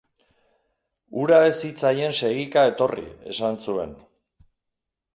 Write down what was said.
Hura ez zitzaien segika etorri, esan zuen.